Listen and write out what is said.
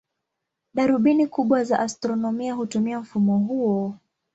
Darubini kubwa za astronomia hutumia mfumo huo.